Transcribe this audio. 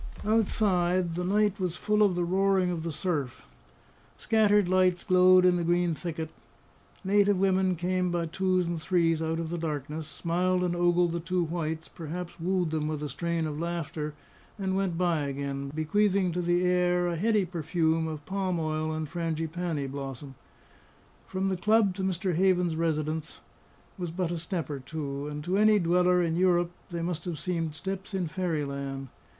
Outside, the night was full of the roaring of the surf. Scattered lights glowed in the green thicket. Native women came by twos and threes out of the darkness, smiled and ogled the two whites, perhaps wooed them with a strain of laughter, and went by again, bequeathing to the air a heady perfume of palm oil and frangipani blossom. From the club to Mr. Havens's residence was but a step or two, and to any dweller in Europe they must have seemed steps in fairyland.